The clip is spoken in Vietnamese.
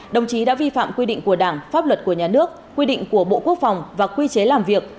đồng chí đã vi phạm quy định của đảng pháp luật của nhà nước quy định của bộ quốc phòng và quy chế làm việc